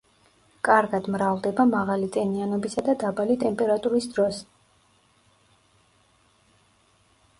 კარგად მრავლდება მაღალი ტენიანობისა და დაბალი ტემპერატურის დროს.